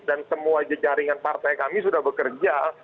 dan semua jejaringan partai kami sudah bekerja